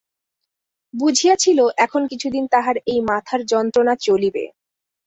বুঝিয়াছিল এখন কিছুদিন তাহার এই মাথার যন্ত্রণা চলিবে।